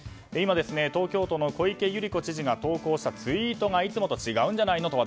東京都の小池知事が投稿したツイートがいつもと違うんじゃないの？